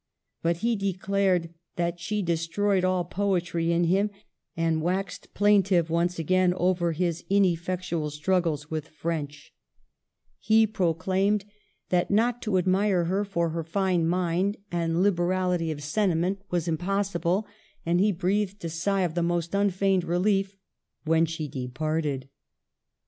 But he declared that she destroyed all poetry in him, and waxed plaintive once again over his ineffectual struggles with French. He pro Digitized by VjOOQIC .134 MADAME DE STAML claimed that not to admire her for her fine mind and liberality of sentiment was impossible ; and he breathed a sigh of the most unfeigned relief when she departed.